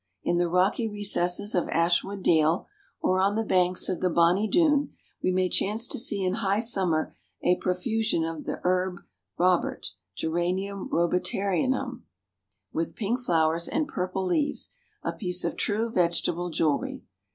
In the rocky recesses of Ashwood Dale, or on the banks of the 'bonny Doon,' we may chance to see in high summer a profusion of the Herb Robert, Geranium Robertianum, with pink flowers and purple leaves, a piece of true vegetable jewelry.